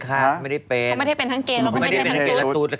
เขาไม่ได้เป็นทั้งเกณฑ์แล้วเขาไม่ได้เป็นทั้งตุ๊ด